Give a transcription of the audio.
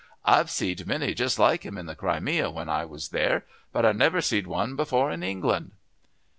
I've see'd many just like him in the Crimea when I was there. But I never see'd one before in England."